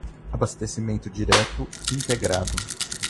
abastecimento direto integrado